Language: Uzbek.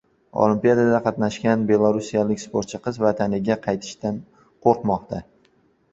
Olimpiadada qatnashgan belorussiyalik sportchi qiz vataniga qaytishdan qo‘rqmoqda